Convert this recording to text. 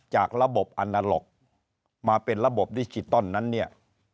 จากระบบอันนาล็อกมาเป็นระบบดิจิตอลนั้นเนี่ย